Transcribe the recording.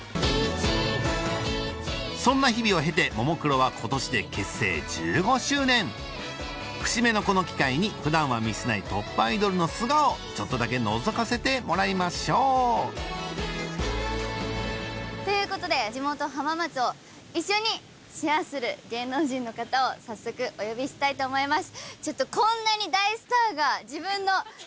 そんな日々を経てももクロは節目のこの機会に普段は見せないトップアイドルの素顔ちょっとだけのぞかせてもらいましょうということで地元浜松を一緒にシェアする芸能人の方を早速お呼びしたいと思います。